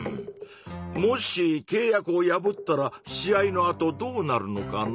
もしけい約を破ったら試合のあとどうなるのかな？